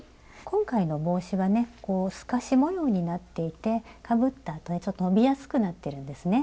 今回の帽子はねこう透かし模様になっていてかぶったあとにちょっと伸びやすくなってるんですね。